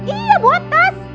iya buat tas